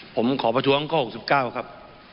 ผมขอประท้วงข้อ๖๙ครับ